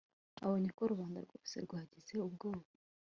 abonye ko rubanda rwose rwagize ubwoba